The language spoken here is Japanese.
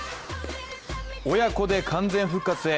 親子で完全復活へ。